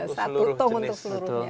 satu tong untuk seluruh jenis